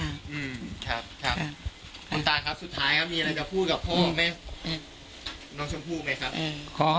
คุณตาครับสุดท้ายมีอะไรจะพูดกับท่อแม่น้องจมพูกไหมครับ